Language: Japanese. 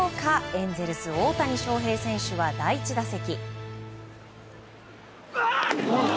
エンゼルス、大谷翔平選手は第１打席。